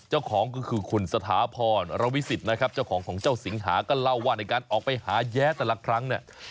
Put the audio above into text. เจ้าของก็คือคุณสถาพรระวิสิตนะครับเจ้าของของเจ้าสิงหาก็เล่าว่าในการออกไปหาแย้แต่ละครั้งเนี่ย